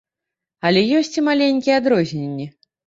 Але ёсць і маленькія адрозненні.